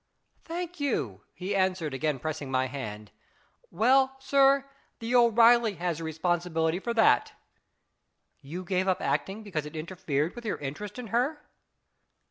"Thank you," he answered, again pressing my hand. " Well, sir, the O'Reilly has the responsibility for that." " You gave up acting because it interfered with your interest in her